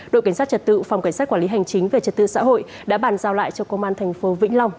đội cảnh sát trật tự phòng cảnh sát quản lý hành chính về trật tự xã hội đã bàn giao lại cho công an thành phố vĩnh long